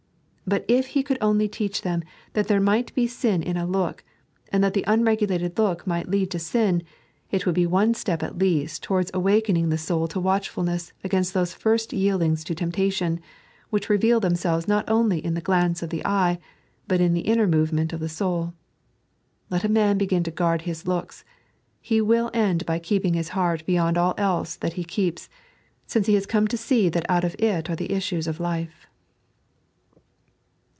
But if He could only teach them that there might be sin in a look, and that the unregulated look might lead to sin, it would be one step at least towards awakening the soul to watchfulness against those first yieldings to tempta tion, which reveal themselves not only in the glance of the eye, but in the inner movement of the soul. Let a man begin to guard his looks, he will end by keeping his heart beyond all else that he keeps, since ho has come to see that out of it are the ifisues of life.